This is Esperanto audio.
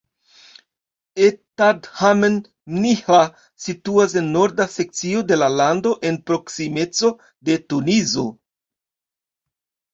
Ettadhamen-Mnihla situas en norda sekcio de la lando en proksimeco de Tunizo.